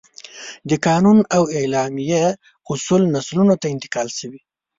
د قانون او اعلامیه اصول نسلونو ته انتقال شوي.